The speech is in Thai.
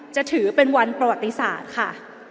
จะถือเป็นวันประวัติศาสตร์ค่ะ